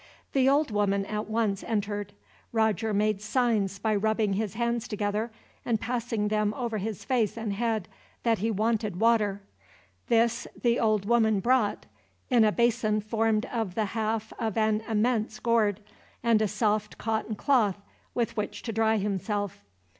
The old woman at once entered. Roger made signs, by rubbing his hands together, and passing them over his face and head, that he wanted water. This the old woman brought, in a basin formed of the half of an immense gourd, and a soft cotton cloth with which to dry himself.